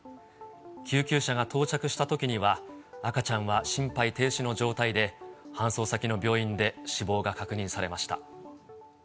救急車が到着したときには、赤ちゃんは心肺停止の状態で、搬送先の病院で死亡が確認されました。